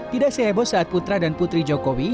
tidak seheboh saat putra dan putri jokowi